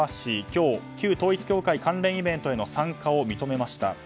今日、旧統一教会関連イベントへの参加を認めました。